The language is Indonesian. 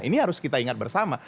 ini harus kita ingat bersama